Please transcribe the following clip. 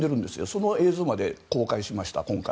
その映像まで公開しました。